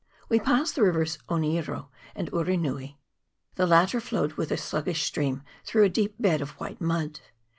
We passed the rivers Oneiro and Urenui; the latter flowed with a sluggish stream through a deep bed of white mud.